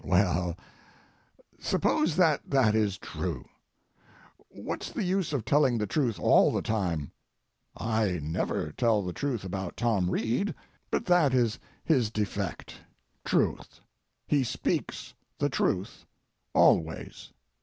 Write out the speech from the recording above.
Well, suppose that that is true. What's the use of telling the truth all the time? I never tell the truth about Tom Reed—but that is his defect, truth; he speaks the truth always.